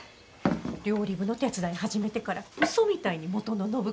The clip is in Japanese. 料理部の手伝い始めてからウソみたいに元の暢子に。